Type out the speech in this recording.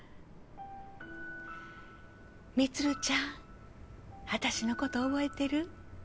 充ちゃん私のこと憶えてる？